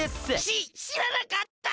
ししらなかった！